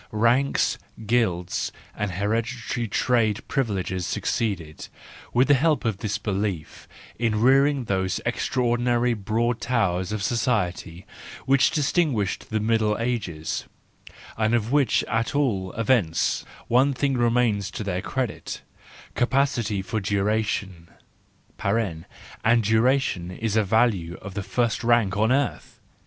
Ranks, guilds, and hereditary trade privileges succeeded, with the help of this belief, in rearing those extra¬ ordinary broad towers of society which distinguished the Middle Ages, and of which at all events one thing remains to their credit: capacity for duration (and duration is a value of the first rank on earth!).